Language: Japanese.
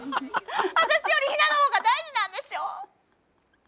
私よりヒナの方が大事なんでしょ。